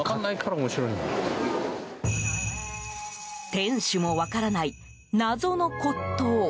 店主も分からない謎の骨董。